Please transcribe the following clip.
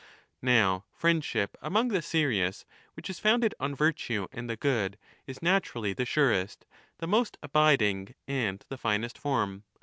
Now friendship among the serious, which is founded on virtue and the good, is naturally the surest, the most abiding, and the finest form.